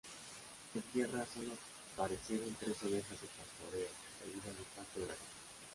En tierra sólo perecieron tres ovejas de pastoreo debido al impacto del avión.